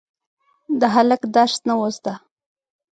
د هلک درس نه و زده.